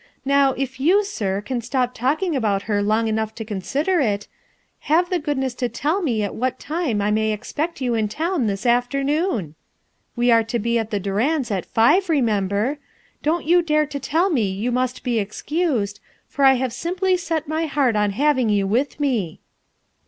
Now, if you, sir, can stop talkin* about her long enough to consider it, have the goodness to tell me at what time I may expect you in town this afternoon? \\ Q are to be at the Durands' at five, remember. Don't y dare to tell me you must be excused, for I ha\ simply set my heart on having you with me."